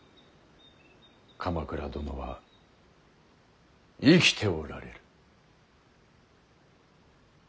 鎌倉殿は生きておられる。